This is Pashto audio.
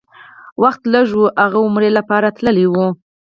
وخت لږ و، هغه عمرې لپاره تللی و.